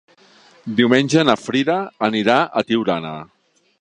Diumenge na Frida anirà a Tiurana.